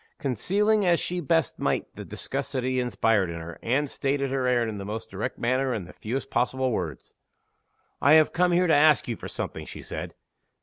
Concealing as she best might the disgust that he inspired in her, Anne stated her errand in the most direct manner, and in the fewest possible words. "I have come here to ask you for something," she said.